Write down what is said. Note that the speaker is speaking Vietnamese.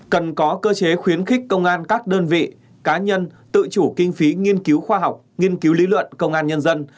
cần có cơ chế khuyến khích công an các đơn vị cá nhân tự chủ kinh phí nghiên cứu khoa học nghiên cứu lý luận công an nhân dân